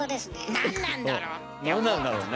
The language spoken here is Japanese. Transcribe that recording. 何なんだろうね。